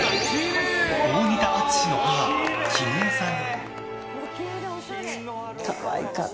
大仁田厚の母・巾江さん。